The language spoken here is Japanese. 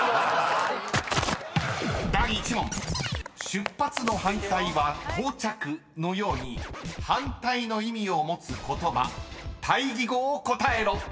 ［「出発」の反対は「到着」のように反対の意味を持つ言葉対義語を答えろ］